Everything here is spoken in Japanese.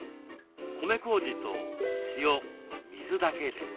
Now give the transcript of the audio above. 米こうじと塩水だけです。